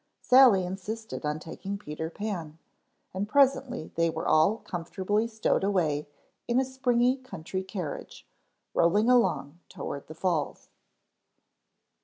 Sally insisted on taking Peter Pan, and presently they were all comfortably stowed away in a springy country carriage, rolling along toward the Falls.